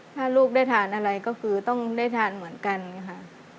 ถ้าลูกได้ทานอะไรก็คือต้องได้ทานเหมือนกันค่ะ